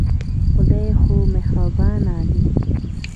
خدای خو مهربانه دی.